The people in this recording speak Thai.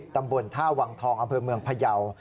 ตำบลท่าวังทองอำเภอเมืองพยาว